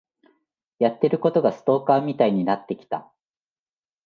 やってることがストーカーみたいになってきた。